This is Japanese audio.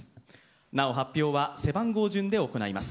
なお、発表は背番号順で行います。